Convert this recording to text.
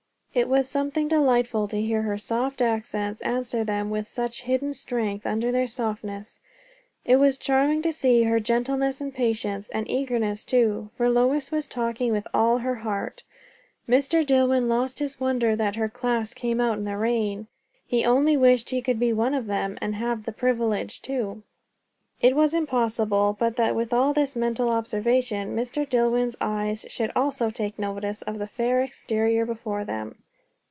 It was something delightful to hear her soft accents answer them, with such hidden strength under their softness; it was charming to see her gentleness and patience, and eagerness too; for Lois was talking with all her heart. Mr. Dillwyn lost his wonder that her class came out in the rain; he only wished he could be one of them, and have the privilege too! It was impossible but that with all this mental observation Mr. Dillwyn's eyes should also take notice of the fair exterior before them.